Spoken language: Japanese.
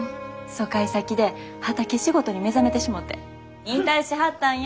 疎開先で畑仕事に目覚めてしもて引退しはったんや。